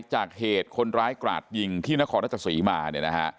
จากเหตุคนร้ายกราดยิงที่นครราชสีมาเนี่ยนะฮะ